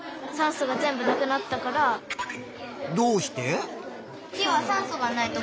どうして？